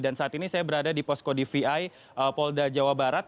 dan saat ini saya berada di poskodi vi polda jawa barat